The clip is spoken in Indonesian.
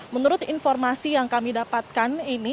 menurut informasi yang kami dapatkan ini